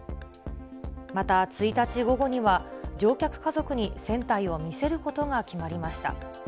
また１日午後には、乗客家族に船体を見せることが決まりました。